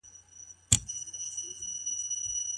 مرکزي کتابتون په ناقانونه توګه نه جوړیږي.